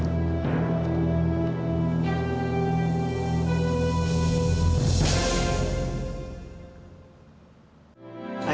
kalau begitu saya permisi dulu mas